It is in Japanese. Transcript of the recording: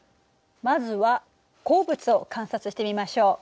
まずは鉱物を観察してみましょう。